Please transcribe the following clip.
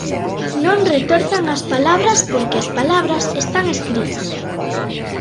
E non retorzan as palabras porque as palabras están escritas.